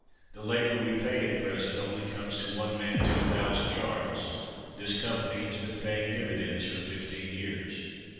The labour we pay at present only comes to one man to a thousand yards. This company has been paying dividends for fifteen years!"